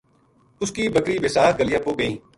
اس کی بکری بیساکھ گلیاں پو گئی